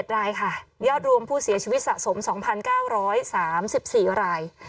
๗รายค่ะยอดรวมผู้เสียชีวิตสะสม๒๙๓๔ราย